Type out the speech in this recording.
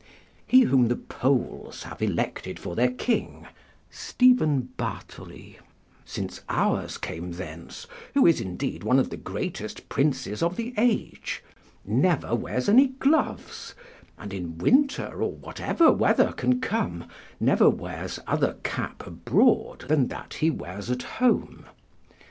He whom the Poles have elected for their king, [Stephen Bathory] since ours came thence, who is, indeed, one of the greatest princes of this age, never wears any gloves, and in winter or whatever weather can come, never wears other cap abroad than that he wears at home.